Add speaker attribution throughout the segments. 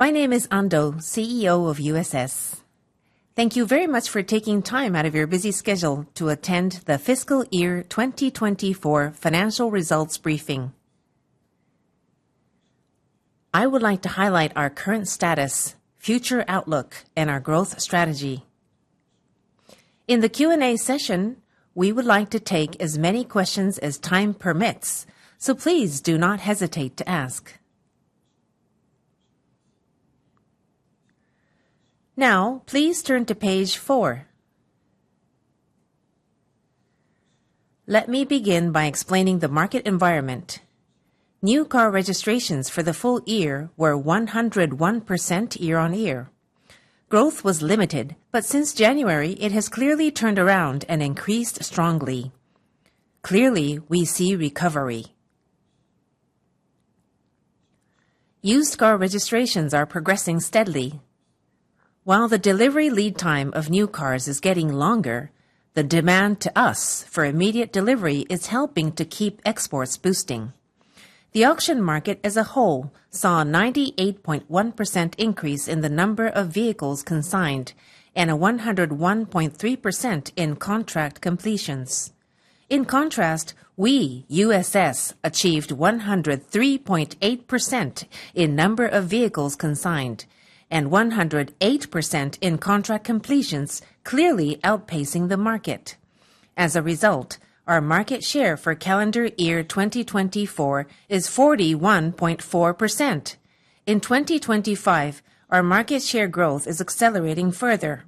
Speaker 1: My name is Ando, CEO of USS. Thank you very much for taking time out of your busy schedule to attend the Fiscal Year 2024 Financial Results Briefing. I would like to highlight our current status, future outlook, and our growth strategy. In the Q&A session, we would like to take as many questions as time permits, so please do not hesitate to ask. Now, please turn to page 4. Let me begin by explaining the market environment. New car registrations for the full year were 101% year-on-year. Growth was limited, but since January, it has clearly turned around and increased strongly. Clearly, we see recovery. Used car registrations are progressing steadily. While the delivery lead time of new cars is getting longer, the demand to us for immediate delivery is helping to keep exports boosting. The auction market as a whole saw a 98.1% increase in the number of vehicles consigned and a 101.3% in contract completions. In contrast, we USS achieved 103.8% in number of vehicles consigned and 108% in contract completions, clearly outpacing the market. As a result, our market share for calendar year 2024 is 41.4%. In 2025, our market share growth is accelerating further.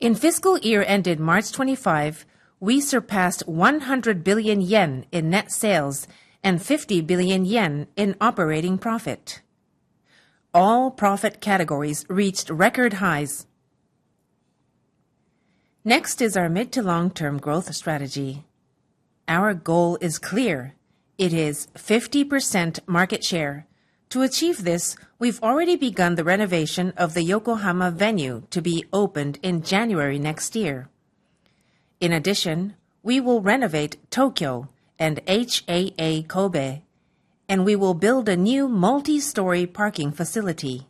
Speaker 1: In fiscal year ended March 2025, we surpassed 100 billion yen in net sales and 50 billion yen in operating profit. All profit categories reached record highs. Next is our mid to long-term growth strategy. Our goal is clear. It is 50% market share. To achieve this, we've already begun the renovation of the Yokohama venue to be opened in January next year. In addition, we will renovate Tokyo and HAA Kobe, and we will build a new multi-story parking facility.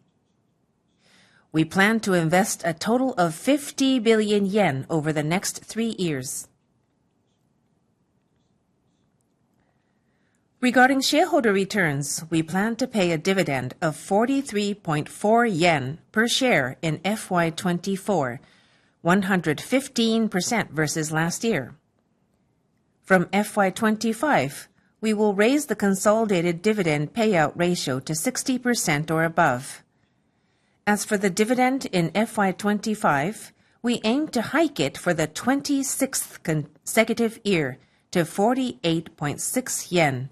Speaker 1: We plan to invest a total of 50 billion yen over the next three years. Regarding shareholder returns, we plan to pay a dividend of 43.4 yen per share in FY24, 115% versus last year. From FY25, we will raise the consolidated dividend payout ratio to 60% or above. As for the dividend in FY25, we aim to hike it for the 26th consecutive year to 48.6 yen,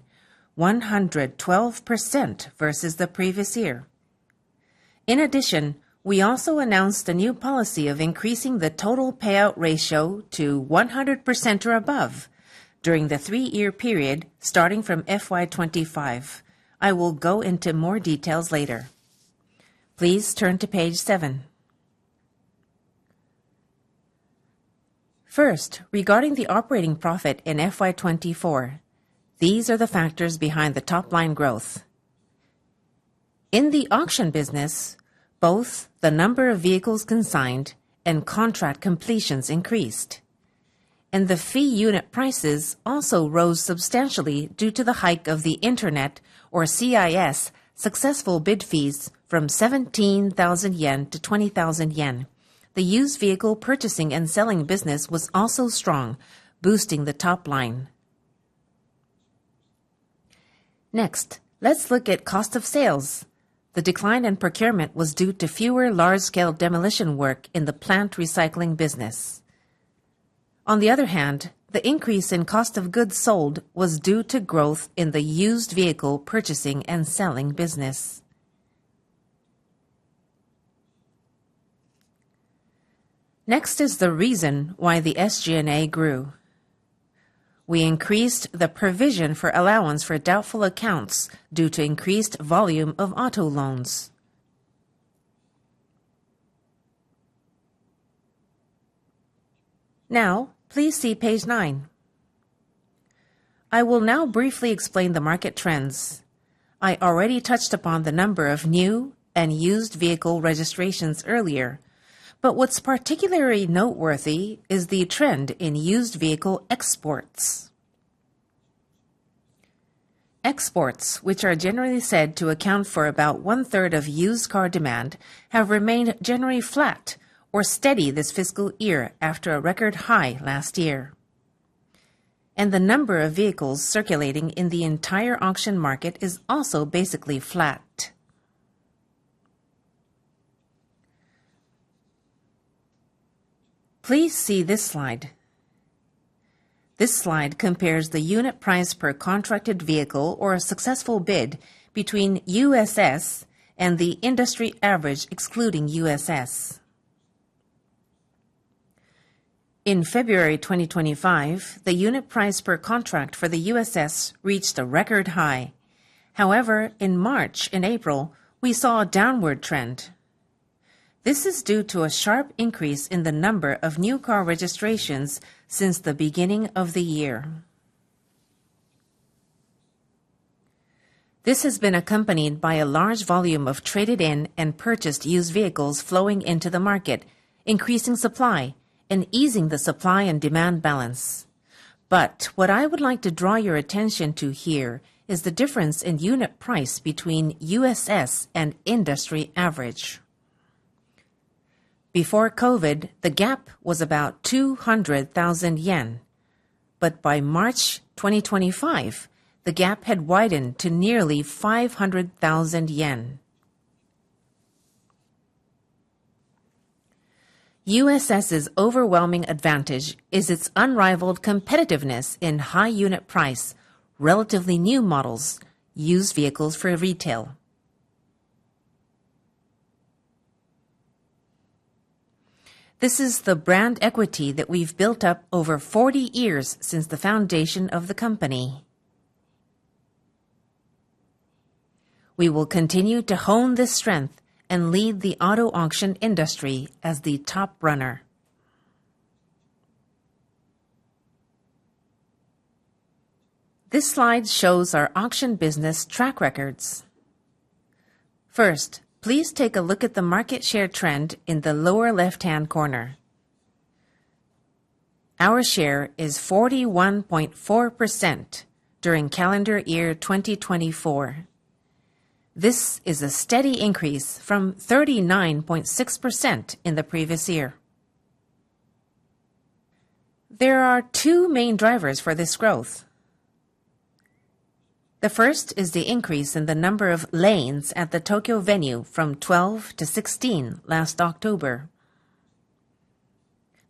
Speaker 1: 112% versus the previous year. In addition, we also announced a new policy of increasing the total payout ratio to 100% or above during the three-year period starting from FY25. I will go into more details later. Please turn to page 7. First, regarding the operating profit in FY24, these are the factors behind the top-line growth. In the auction business, both the number of vehicles consigned and contract completions increased, and the fee unit prices also rose substantially due to the hike of the internet or CIS successful bid fees from 17,000 yen to 20,000 yen. The used vehicle purchasing and selling business was also strong, boosting the top line. Next, let's look at cost of sales. The decline in procurement was due to fewer large-scale demolition work in the plant recycling business. On the other hand, the increase in cost of goods sold was due to growth in the used vehicle purchasing and selling business. Next is the reason why the SG&A grew. We increased the provision for allowance for doubtful accounts due to increased volume of auto loans. Now, please see page 9. I will now briefly explain the market trends. I already touched upon the number of new and used vehicle registrations earlier, but what's particularly noteworthy is the trend in used vehicle exports. Exports, which are generally said to account for about one-third of used car demand, have remained generally flat or steady this fiscal year after a record high last year, and the number of vehicles circulating in the entire auction market is also basically flat. Please see this slide. This slide compares the unit price per contracted vehicle or a successful bid between USS and the industry average excluding USS. In February 2025, the unit price per contract for the USS reached a record high. However, in March and April, we saw a downward trend. This is due to a sharp increase in the number of new car registrations since the beginning of the year. This has been accompanied by a large volume of traded-in and purchased used vehicles flowing into the market, increasing supply and easing the supply and demand balance. But what I would like to draw your attention to here is the difference in unit price between USS and industry average. Before COVID, the gap was about 200,000 yen, but by March 2025, the gap had widened to nearly 500,000 yen. USS's overwhelming advantage is its unrivaled competitiveness in high unit price, relatively new models, used vehicles for retail. This is the brand equity that we've built up over 40 years since the foundation of the company. We will continue to hone this strength and lead the auto auction industry as the top runner. This slide shows our auction business track records. First, please take a look at the market share trend in the lower left-hand corner. Our share is 41.4% during calendar year 2024. This is a steady increase from 39.6% in the previous year. There are two main drivers for this growth. The first is the increase in the number of lanes at the Tokyo venue from 12 to 16 last October.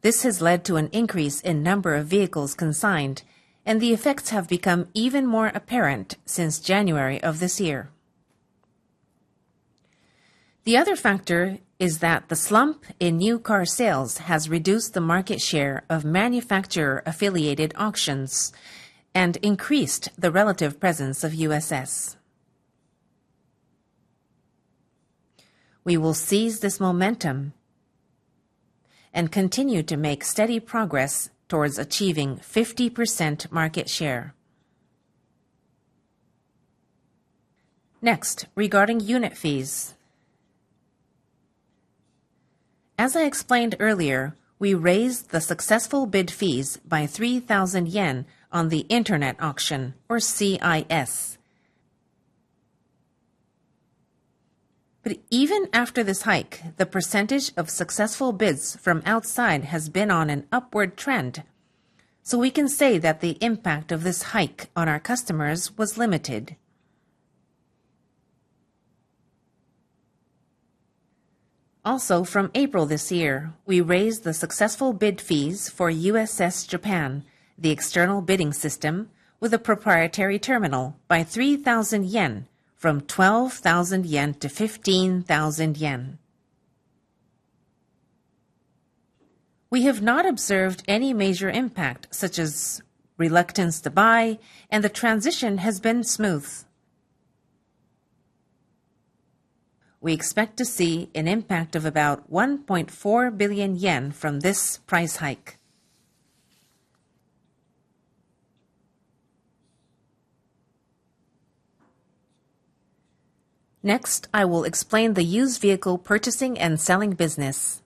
Speaker 1: This has led to an increase in number of vehicles consigned, and the effects have become even more apparent since January of this year. The other factor is that the slump in new car sales has reduced the market share of manufacturer-affiliated auctions and increased the relative presence of USS. We will seize this momentum and continue to make steady progress towards achieving 50% market share. Next, regarding unit fees. As I explained earlier, we raised the successful bid fees by 3,000 yen on the internet auction or CIS. But even after this hike, the percentage of successful bids from outside has been on an upward trend, so we can say that the impact of this hike on our customers was limited. Also, from April this year, we raised the successful bid fees for USS Japan, the external bidding system with a proprietary terminal, by 3,000 yen from 12,000 yen to 15,000 yen. We have not observed any major impact, such as reluctance to buy, and the transition has been smooth. We expect to see an impact of about 1.4 billion yen from this price hike. Next, I will explain the used vehicle purchasing and selling business.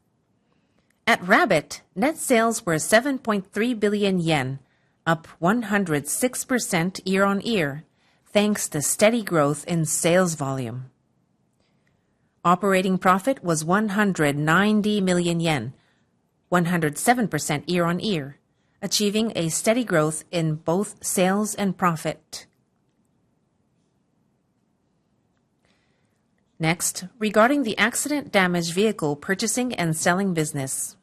Speaker 1: At Rabbit, net sales were 7.3 billion yen, up 106% year-on-year, thanks to steady growth in sales volume. Operating profit was 190 million yen, 107% year-on-year, achieving a steady growth in both sales and profit. Next, regarding the accident-damaged vehicle purchasing and selling business.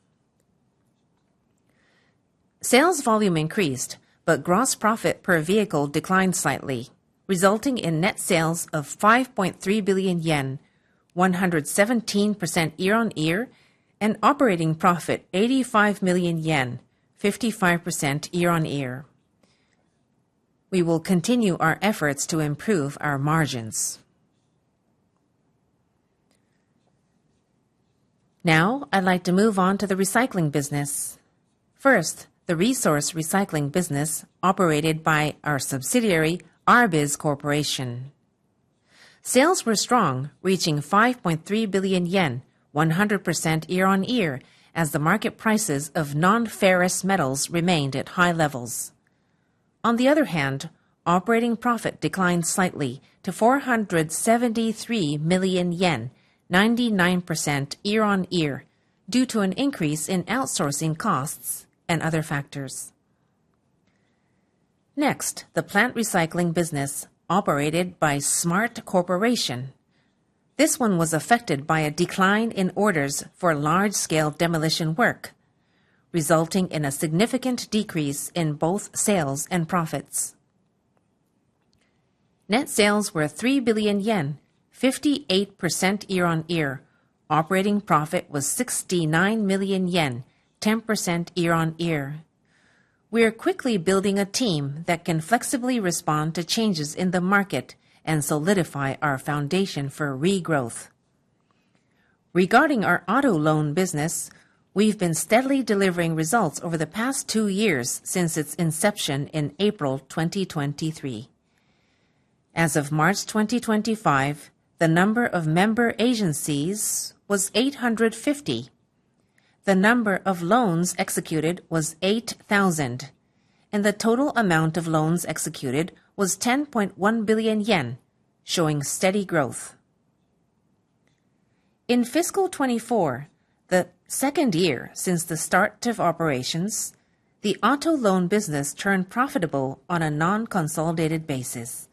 Speaker 1: Sales volume increased, but gross profit per vehicle declined slightly, resulting in net sales of 5.3 billion yen, 117% year-on-year, and operating profit 85 million yen, 55% year-on-year. We will continue our efforts to improve our margins. Now, I'd like to move on to the recycling business. First, the resource recycling business operated by our subsidiary, ARBIZ Corporation. Sales were strong, reaching 5.3 billion yen, 100% year-on-year, as the market prices of non-ferrous metals remained at high levels. On the other hand, operating profit declined slightly to 473 million yen, 99% year-on-year, due to an increase in outsourcing costs and other factors. Next, the plant recycling business operated by SMART Corporation. This one was affected by a decline in orders for large-scale demolition work, resulting in a significant decrease in both sales and profits. Net sales were 3 billion yen, 58% year-on-year. Operating profit was 69 million yen, 10% year-on-year. We are quickly building a team that can flexibly respond to changes in the market and solidify our foundation for regrowth. Regarding our auto loan business, we've been steadily delivering results over the past two years since its inception in April 2023. As of March 2025, the number of member agencies was 850. The number of loans executed was 8,000, and the total amount of loans executed was 10.1 billion yen, showing steady growth. In fiscal 24, the second year since the start of operations, the auto loan business turned profitable on a non-consolidated basis.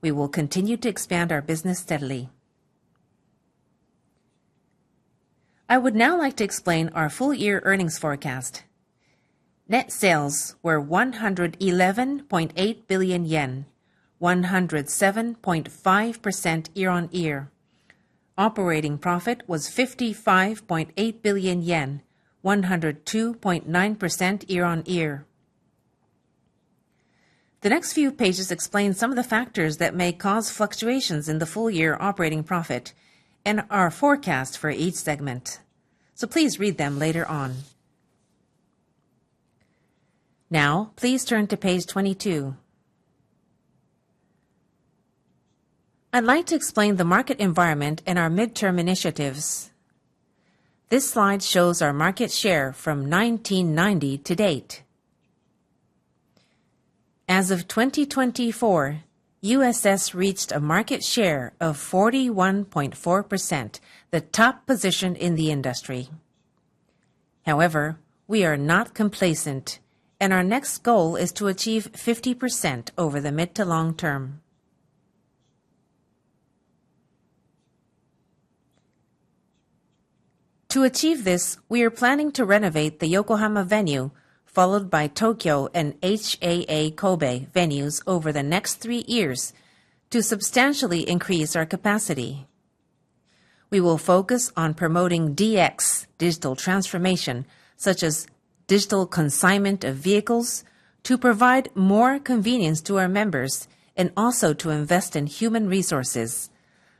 Speaker 1: We will continue to expand our business steadily. I would now like to explain our full-year earnings forecast. Net sales were 111.8 billion yen, 107.5% year-on-year. Operating profit was 55.8 billion yen, 102.9% year-on-year. The next few pages explain some of the factors that may cause fluctuations in the full-year operating profit and our forecast for each segment, so please read them later on. Now, please turn to page 22. I'd like to explain the market environment and our midterm initiatives. This slide shows our market share from 1990 to date. As of 2024, USS reached a market share of 41.4%, the top position in the industry. However, we are not complacent, and our next goal is to achieve 50% over the mid to long term. To achieve this, we are planning to renovate the Yokohama venue, followed by Tokyo and HAA Kobe venues over the next three years to substantially increase our capacity. We will focus on promoting DX, digital transformation, such as digital consignment of vehicles, to provide more convenience to our members, and also to invest in human resources,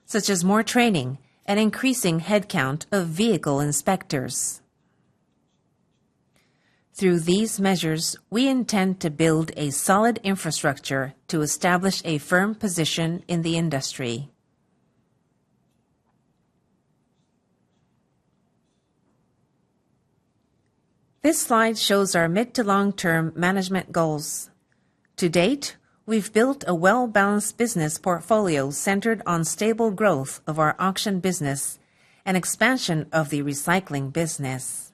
Speaker 1: such as more training and increasing headcount of vehicle inspectors. Through these measures, we intend to build a solid infrastructure to establish a firm position in the industry. This slide shows our mid- to long-term management goals. To date, we've built a well-balanced business portfolio centered on stable growth of our auction business and expansion of the recycling business.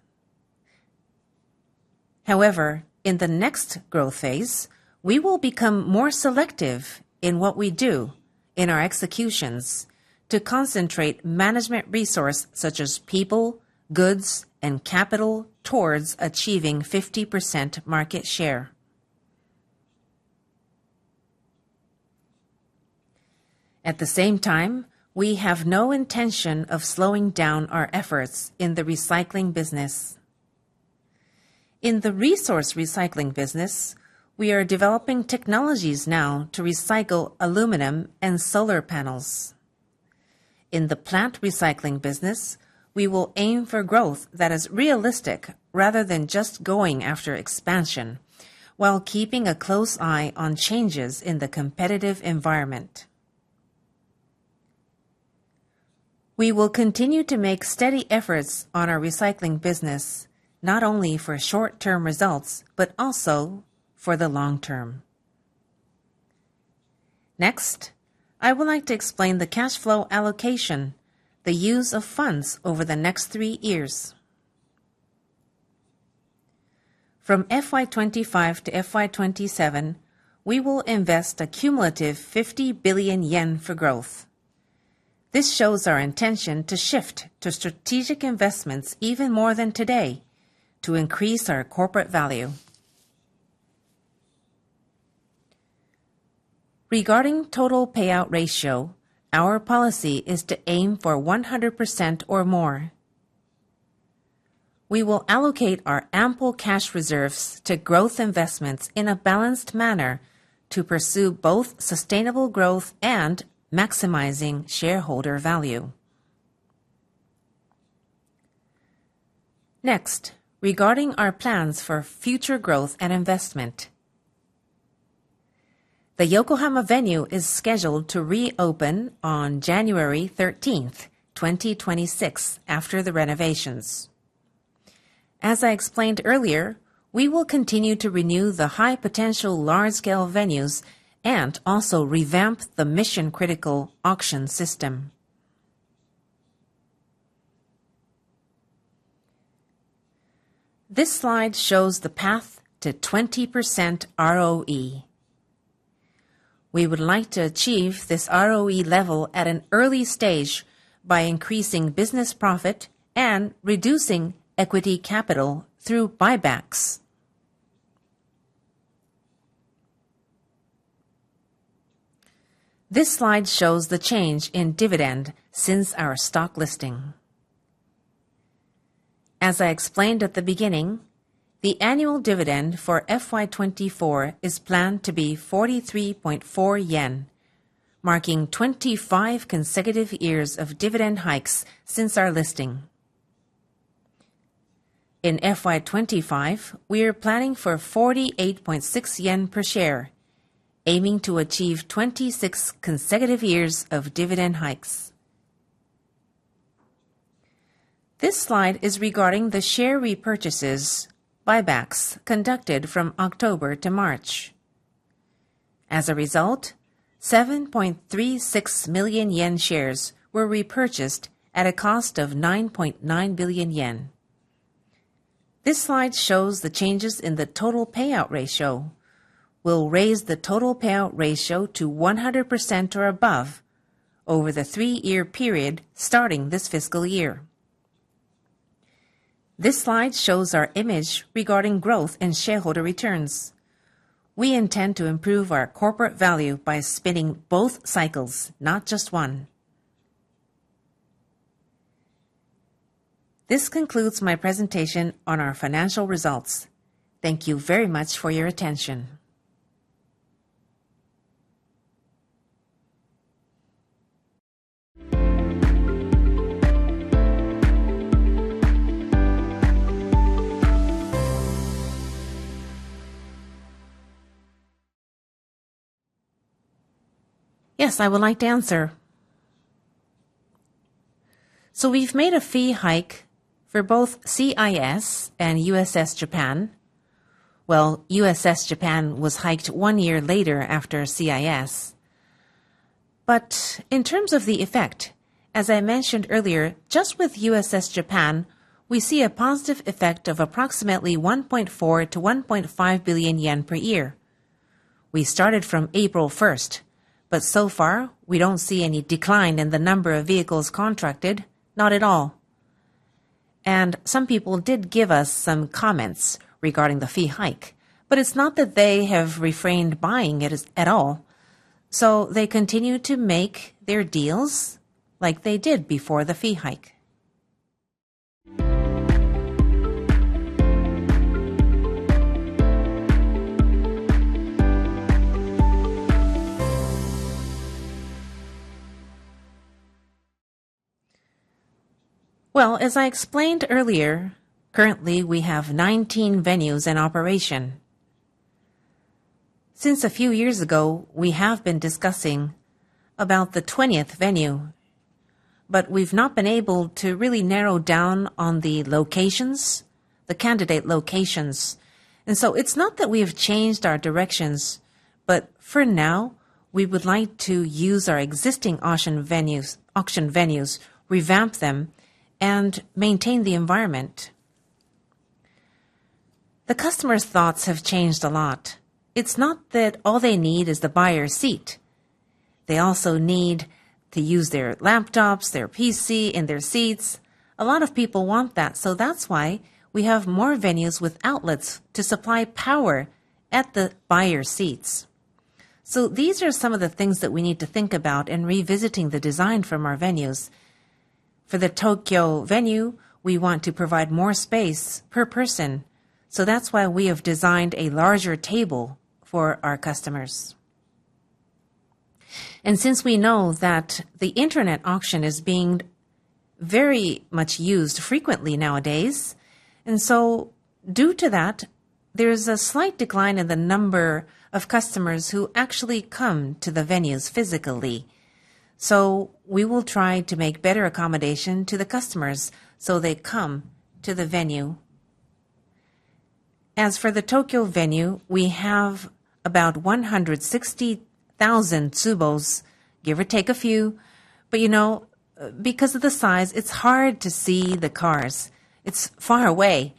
Speaker 1: However, in the next growth phase, we will become more selective in what we do in our executions to concentrate management resources such as people, goods, and capital towards achieving 50% market share. At the same time, we have no intention of slowing down our efforts in the recycling business. In the resource recycling business, we are developing technologies now to recycle aluminum and solar panels. In the plant recycling business, we will aim for growth that is realistic rather than just going after expansion while keeping a close eye on changes in the competitive environment. We will continue to make steady efforts on our recycling business, not only for short-term results but also for the long term. Next, I would like to explain the cash flow allocation, the use of funds over the next three years. From FY25 to FY27, we will invest a cumulative 50 billion yen for growth. This shows our intention to shift to strategic investments even more than today to increase our corporate value. Regarding total payout ratio, our policy is to aim for 100% or more. We will allocate our ample cash reserves to growth investments in a balanced manner to pursue both sustainable growth and maximizing shareholder value. Next, regarding our plans for future growth and investment, the Yokohama venue is scheduled to reopen on January 13, 2026, after the renovations. As I explained earlier, we will continue to renew the high-potential large-scale venues and also revamp the mission-critical auction system. This slide shows the path to 20% ROE. We would like to achieve this ROE level at an early stage by increasing business profit and reducing equity capital through buybacks. This slide shows the change in dividend since our stock listing. As I explained at the beginning, the annual dividend for FY24 is planned to be 43.4 yen, marking 25 consecutive years of dividend hikes since our listing. In FY25, we are planning for 48.6 yen per share, aiming to achieve 26 consecutive years of dividend hikes. This slide is regarding the share repurchases buybacks conducted from October to March. As a result, 7.36 million yen shares were repurchased at a cost of 9.9 billion yen. This slide shows the changes in the total payout ratio. We'll raise the total payout ratio to 100% or above over the three-year period starting this fiscal year. This slide shows our image regarding growth and shareholder returns. We intend to improve our corporate value by spinning both cycles, not just one. This concludes my presentation on our financial results. Thank you very much for your attention. Yes, I would like to answer. So we've made a fee hike for both CIS and USS Japan. Well, USS Japan was hiked one year later after CIS. But in terms of the effect, as I mentioned earlier, just with USS Japan, we see a positive effect of approximately 1.4-1.5 billion yen per year. We started from April 1, but so far, we don't see any decline in the number of vehicles contracted, not at all. And some people did give us some comments regarding the fee hike, but it's not that they have refrained buying it at all. So they continue to make their deals like they did before the fee hike. Well, as I explained earlier, currently we have 19 venues in operation. Since a few years ago, we have been discussing about the 20th venue, but we've not been able to really narrow down on the locations, the candidate locations. It's not that we have changed our directions, but for now, we would like to use our existing auction venues, revamp them, and maintain the environment. The customers' thoughts have changed a lot. It's not that all they need is the buyer's seat. They also need to use their laptops, their PC, and their seats. A lot of people want that, so that's why we have more venues with outlets to supply power at the buyer's seats. These are some of the things that we need to think about in revisiting the design for our venues. For the Tokyo venue, we want to provide more space per person, so that's why we have designed a larger table for our customers. Since we know that the internet auction is being very much used frequently nowadays, and so due to that, there is a slight decline in the number of customers who actually come to the venues physically. We will try to make better accommodation to the customers so they come to the venue. As for the Tokyo venue, we have about 160,000 tsubos, give or take a few, but you know, because of the size, it's hard to see the cars. It's far away.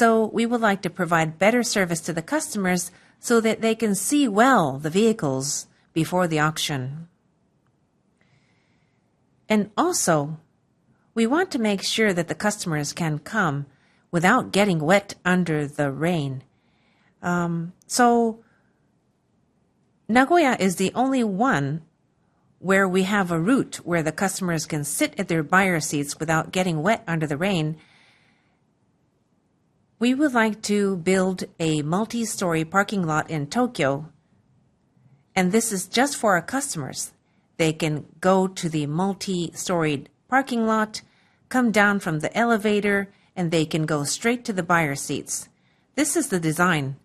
Speaker 1: We would like to provide better service to the customers so that they can see well the vehicles before the auction. Also, we want to make sure that the customers can come without getting wet under the rain. Nagoya is the only one where we have a route where the customers can sit at their buyer's seats without getting wet under the rain. We would like to build a multi-story parking lot in Tokyo, and this is just for our customers. They can go to the multi-story parking lot, come down from the elevator, and they can go straight to the buyer's seats. This is the design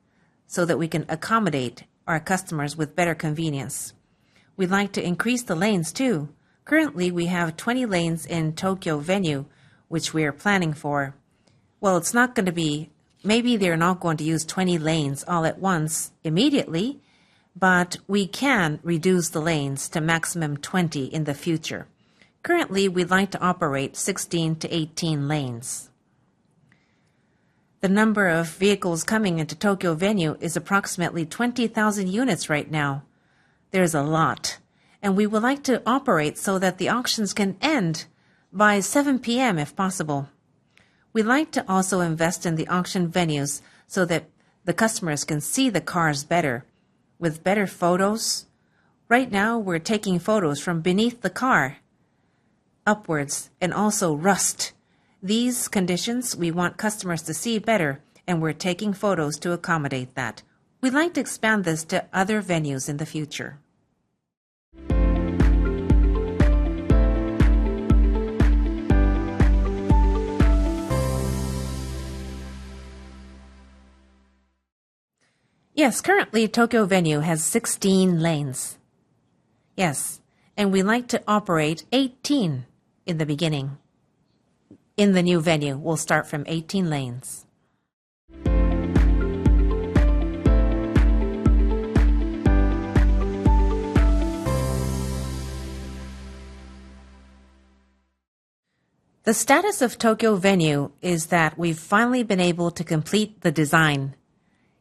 Speaker 1: so that we can accommodate our customers with better convenience. We'd like to increase the lanes too. Currently, we have 20 lanes in Tokyo venue, which we are planning for. It's not going to be maybe they're not going to use 20 lanes all at once immediately, but we can reduce the lanes to maximum 20 in the future. Currently, we'd like to operate 16 to 18 lanes. The number of vehicles coming into Tokyo venue is approximately 20,000 units right now. There is a lot, and we would like to operate so that the auctions can end by 7:00 P.M. if possible. We'd like to also invest in the auction venues so that the customers can see the cars better with better photos. Right now, we're taking photos from beneath the car, upwards, and also rust. These conditions, we want customers to see better, and we're taking photos to accommodate that. We'd like to expand this to other venues in the future. Yes, currently Tokyo venue has 16 lanes. Yes, and we'd like to operate 18 in the beginning. In the new venue, we'll start from 18 lanes. The status of Tokyo venue is that we've finally been able to complete the design.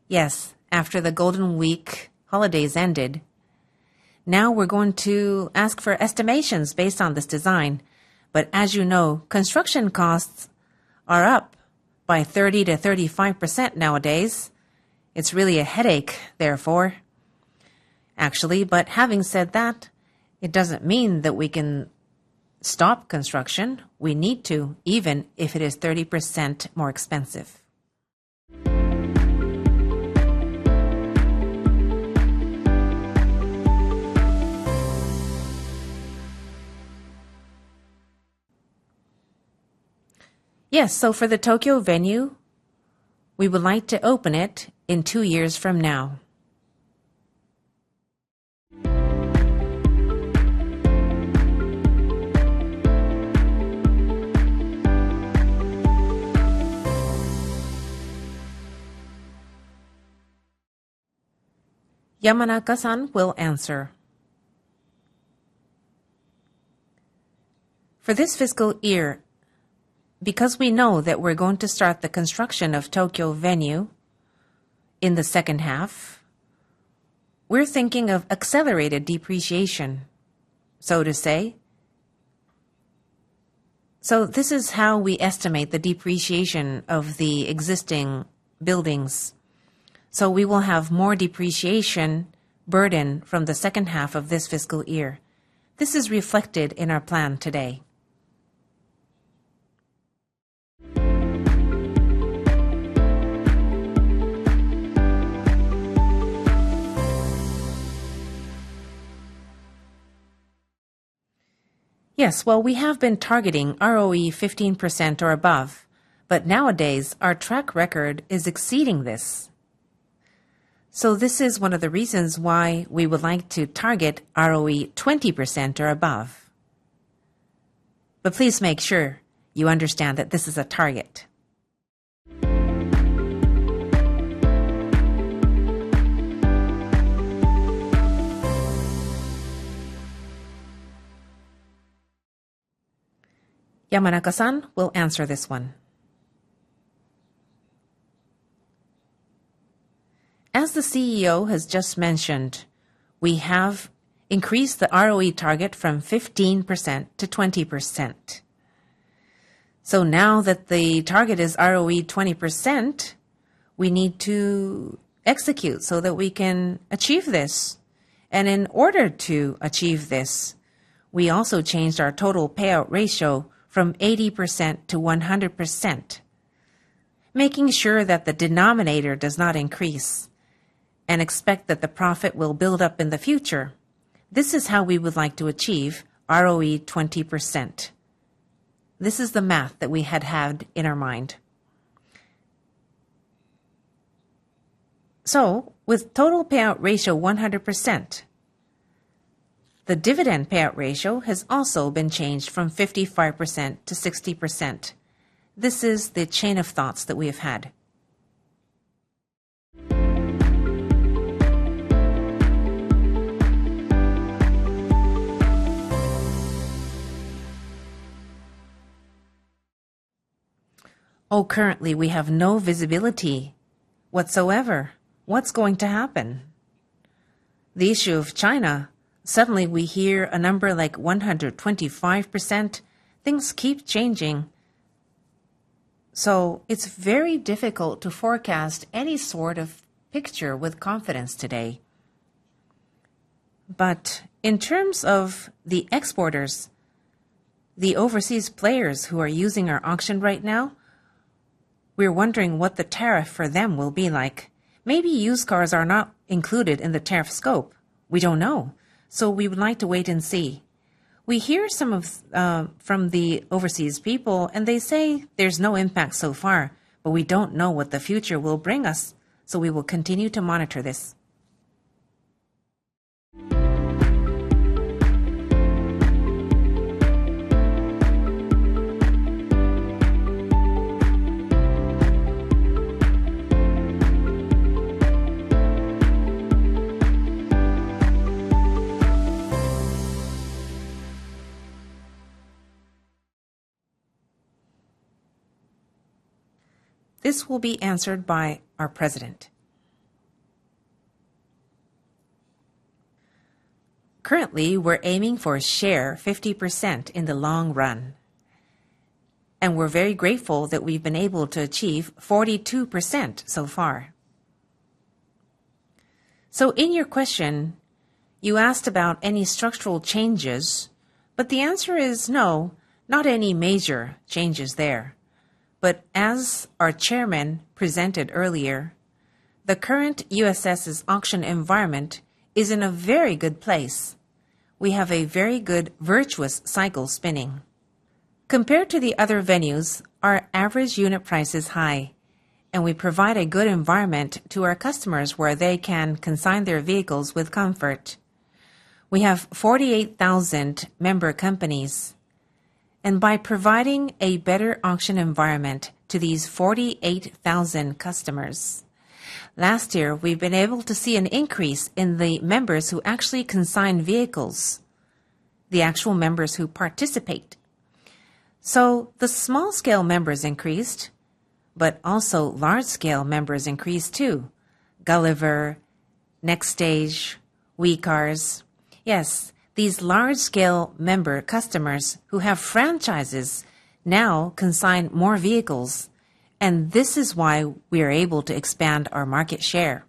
Speaker 1: Yes, after the Golden Week holidays ended. Now we're going to ask for estimations based on this design, but as you know, construction costs are up by 30%-35% nowadays. It's really a headache, therefore. Actually, but having said that, it doesn't mean that we can stop construction. We need to, even if it is 30% more expensive. Yes, so for the Tokyo venue, we would like to open it in two years from now. Yamanaka-san will answer. For this fiscal year, because we know that we're going to start the construction of Tokyo venue in the second half, we're thinking of accelerated depreciation, so to say. So this is how we estimate the depreciation of the existing buildings. So we will have more depreciation burden from the second half of this fiscal year. This is reflected in our plan today. Yes, well, we have been targeting ROE 15% or above, but nowadays our track record is exceeding this, so this is one of the reasons why we would like to target ROE 20% or above, but please make sure you understand that this is a target. Yamanaka-san will answer this one. As the CEO has just mentioned, we have increased the ROE target from 15% to 20%, so now that the target is ROE 20%, we need to execute so that we can achieve this, and in order to achieve this, we also changed our total payout ratio from 80% to 100%, making sure that the denominator does not increase and expect that the profit will build up in the future. This is how we would like to achieve ROE 20%. This is the math that we had had in our mind. So with total payout ratio 100%, the dividend payout ratio has also been changed from 55% to 60%. This is the chain of thoughts that we have had. Oh, currently we have no visibility whatsoever. What's going to happen? The issue of China, suddenly we hear a number like 125%. Things keep changing. So it's very difficult to forecast any sort of picture with confidence today. But in terms of the exporters, the overseas players who are using our auction right now, we're wondering what the tariff for them will be like. Maybe used cars are not included in the tariff scope. We don't know. So we would like to wait and see. We hear from some of the overseas people, and they say there's no impact so far, but we don't know what the future will bring us. So we will continue to monitor this. This will be answered by our president. Currently, we're aiming for a share of 50% in the long run, and we're very grateful that we've been able to achieve 42% so far. So in your question, you asked about any structural changes, but the answer is no, not any major changes there. But as our chairman presented earlier, the current USS's auction environment is in a very good place. We have a very good virtuous cycle spinning. Compared to the other venues, our average unit price is high, and we provide a good environment to our customers where they can consign their vehicles with comfort. We have 48,000 member companies, and by providing a better auction environment to these 48,000 customers, last year we've been able to see an increase in the members who actually consign vehicles, the actual members who participate. So the small-scale members increased, but also large-scale members increased too. Gulliver, Nextage, WECARS, yes, these large-scale member customers who have franchises now consign more vehicles, and this is why we're able to expand our market share.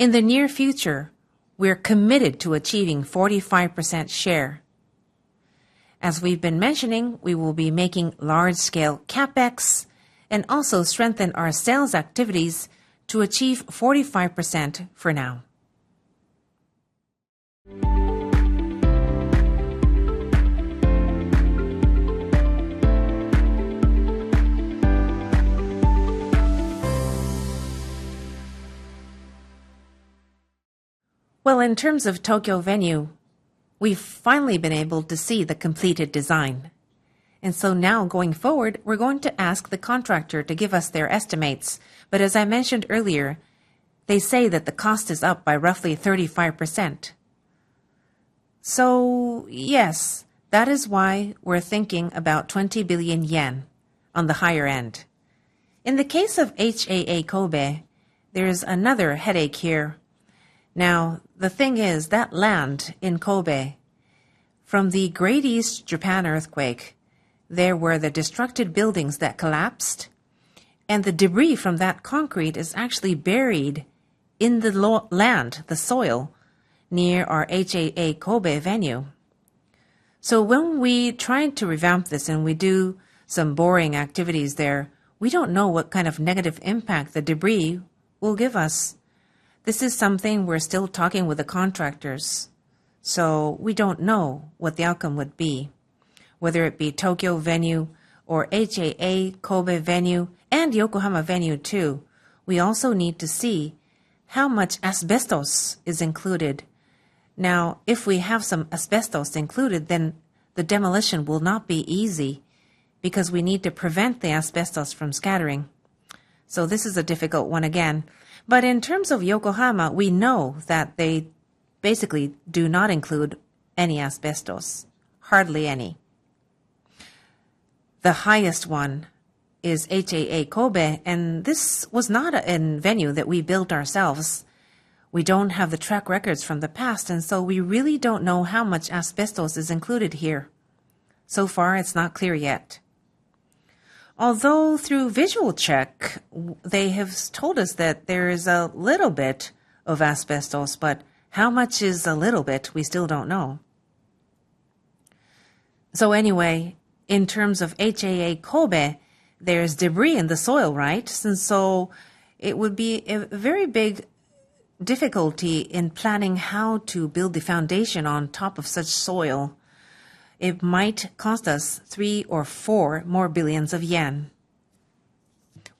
Speaker 1: In the near future, we're committed to achieving 45% share. As we've been mentioning, we will be making large-scale CapEx and also strengthen our sales activities to achieve 45% for now. Well, in terms of Tokyo venue, we've finally been able to see the completed design. And so now going forward, we're going to ask the contractor to give us their estimates, but as I mentioned earlier, they say that the cost is up by roughly 35%. So yes, that is why we're thinking about 20 billion yen on the higher end. In the case of HAA Kobe, there is another headache here. Now, the thing is that land in Kobe, from the Great East Japan Earthquake, there were the destructive buildings that collapsed, and the debris from that concrete is actually buried in the land, the soil, near our HAA Kobe venue. So when we try to revamp this and we do some boring activities there, we don't know what kind of negative impact the debris will give us. This is something we're still talking with the contractors, so we don't know what the outcome would be. Whether it be Tokyo venue or HAA Kobe venue and Yokohama venue too, we also need to see how much asbestos is included. Now, if we have some asbestos included, then the demolition will not be easy because we need to prevent the asbestos from scattering. So this is a difficult one again. But in terms of Yokohama, we know that they basically do not include any asbestos, hardly any. The highest one is HAA Kobe, and this was not a venue that we built ourselves. We don't have the track records from the past, and so we really don't know how much asbestos is included here. So far, it's not clear yet. Although through visual check, they have told us that there is a little bit of asbestos, but how much is a little bit, we still don't know. So anyway, in terms of HAA Kobe, there is debris in the soil, right? And so it would be a very big difficulty in planning how to build the foundation on top of such soil. It might cost us 3 billion-4 billion yen more.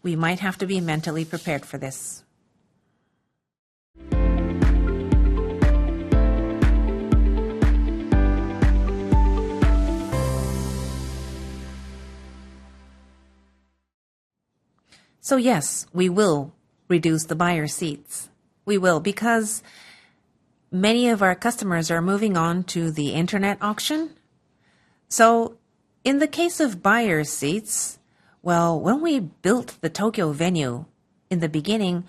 Speaker 1: We might have to be mentally prepared for this. So yes, we will reduce the buyer's seats. We will because many of our customers are moving on to the internet auction. So in the case of buyer's seats, well, when we built the Tokyo venue in the beginning,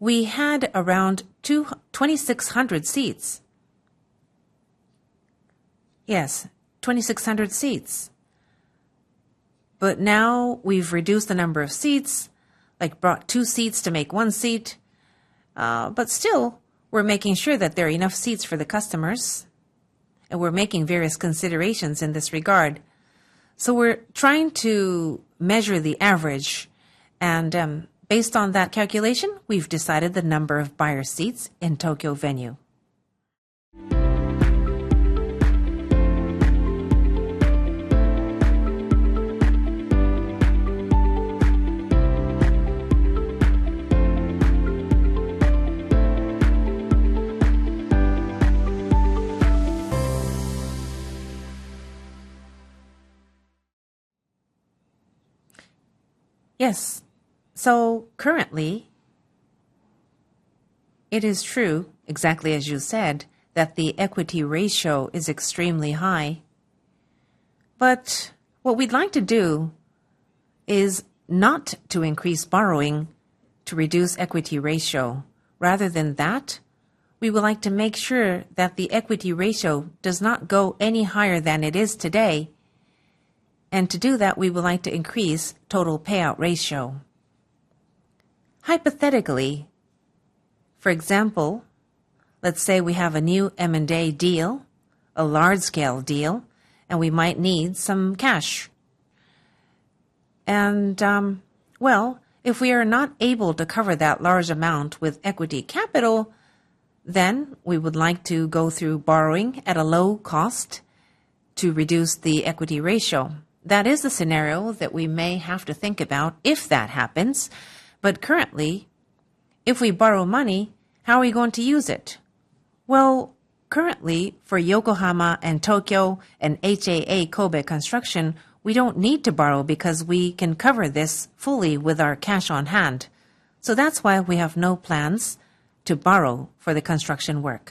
Speaker 1: we had around 2,600 seats. Yes, 2,600 seats. But now we've reduced the number of seats, like brought two seats to make one seat. But still, we're making sure that there are enough seats for the customers, and we're making various considerations in this regard. So we're trying to measure the average, and based on that calculation, we've decided the number of buyer's seats in Tokyo venue. Yes. So currently, it is true, exactly as you said, that the equity ratio is extremely high. But what we'd like to do is not to increase borrowing to reduce equity ratio. Rather than that, we would like to make sure that the equity ratio does not go any higher than it is today. To do that, we would like to increase total payout ratio. Hypothetically, for example, let's say we have a new M&A deal, a large-scale deal, and we might need some cash. If we are not able to cover that large amount with equity capital, then we would like to go through borrowing at a low cost to reduce the equity ratio. That is a scenario that we may have to think about if that happens. Currently, if we borrow money, how are we going to use it? Currently, for Yokohama and Tokyo and HAA Kobe construction, we don't need to borrow because we can cover this fully with our cash on hand. That's why we have no plans to borrow for the construction work.